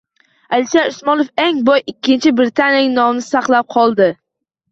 Alisher Usmonov eng boy ikkinchi britaniyalik nomini saqlab qoldi